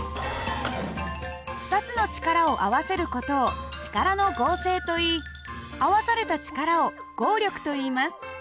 ２つの力を合わせる事を力の合成といい合わされた力を合力といいます。